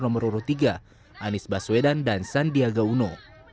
nomor urut tiga anies baswedan dan sandiaga uno